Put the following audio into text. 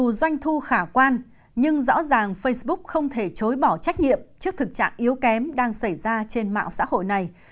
dù doanh thu khả quan nhưng rõ ràng facebook không thể chối bỏ trách nhiệm trước thực trạng yếu kém đang xảy ra trên mạng xã hội này